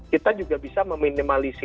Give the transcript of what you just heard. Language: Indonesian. kita juga bisa meminimalisir